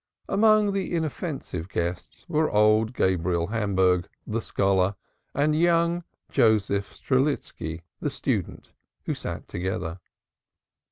Among the inoffensive guests were old Gabriel Hamburg, the scholar, and young Joseph Strelitski, the student, who sat together.